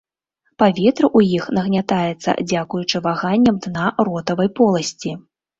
Паветра ў іх нагнятаецца дзякуючы ваганням дна ротавай поласці.